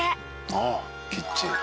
「ああキッチン」